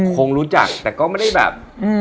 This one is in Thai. คงรู้จักแต่ก็ไม่ได้แบบ